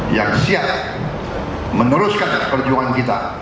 yang siap meneruskan perjuangan kita